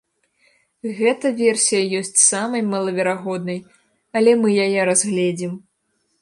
Гэта версія ёсць самай малаверагоднай, але мы яе разгледзім.